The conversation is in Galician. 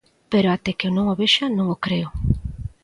Pero até que non o vexa, non o creo.